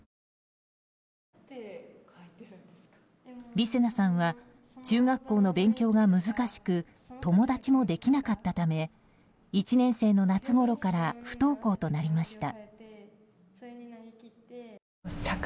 りせなさんは中学校の勉強が難しく友達もできなかったため１年生の夏ごろから不登校となりました。